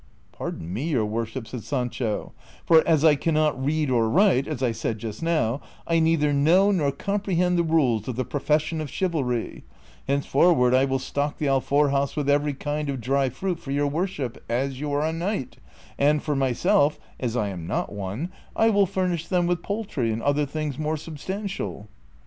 ^" Pardon me, your worship," said Sancho, " for, as I can not read or write, as I said just now, I neither know nor compre hend the rules of the profession of chivalry : henceforward I will stock the alfoi'jas with every kind of dry fruit for your worship, as you are a knight ; and for myself, as I am not one, T will furnish them Avith i>oultry and other things more sub stantial."